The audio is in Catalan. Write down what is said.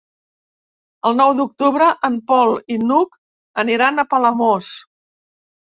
El nou d'octubre en Pol i n'Hug aniran a Palamós.